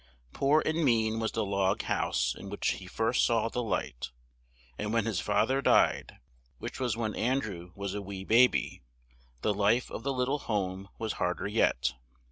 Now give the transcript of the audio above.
Poor and mean was the log house in which he first saw the light, and when his fa ther died, which was when An drew was a wee baby, the life of the lit tle home was hard er yet.